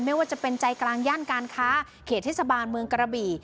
ไม่ว่าจะเป็นใจกลางย่านการค้าเขตเทศบาลเมืองกระบี่